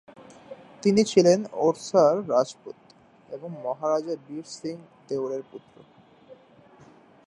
তিনি ছিলেন ওড়ছার রাজপুত্র এবং মহারাজা বীর সিং দেওয়ের পুত্র।